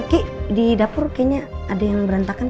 ki di dapur kayaknya ada yang berantakan